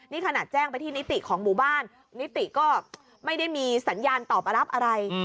นี่ขนาดแจ้งไปที่นิติของหมู่บ้านนิติก็ไม่ได้มีสัญญาณตอบรับอะไร